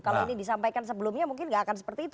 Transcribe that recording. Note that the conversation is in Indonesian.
kalau ini disampaikan sebelumnya mungkin nggak akan seperti itu